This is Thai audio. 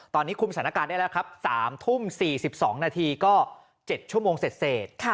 ตอนนี้คุมสถานการณ์ได้แล้วครับ๓ทุ่ม๔๒นาทีก็๗ชั่วโมงเสร็จ